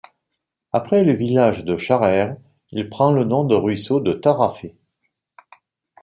Après le village de Chareire, il prend le nom de ruisseau de Taraffet.